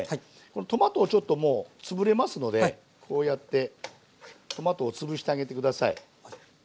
トマトをちょっともう潰れますのでこうやってトマトを潰してあげて下さい。